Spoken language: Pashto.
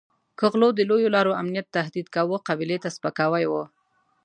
که غلو د لویو لارو امنیت تهدید کاوه قبیلې ته سپکاوی وو.